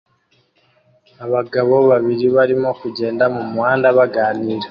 Abagabo babiri barimo kugenda mumuhanda baganira